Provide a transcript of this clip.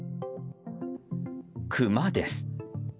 クマです。